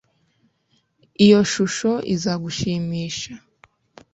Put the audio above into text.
iyo shusho izagushimisha